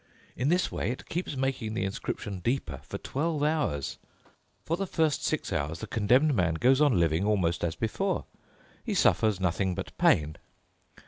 In this way it keeps making the inscription deeper for twelve hours. For the first six hours the condemned man goes on living almost as before. He suffers nothing but pain.